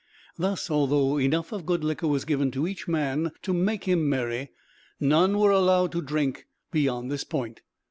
Thus, although enough of good liquor was given to each man to make him merry, none were allowed to drink beyond this point.